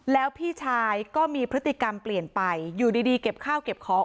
แล้วพี่ชายก็มีพฤติกรรมเปลี่ยนไปอยู่ดีเก็บข้าวเก็บของ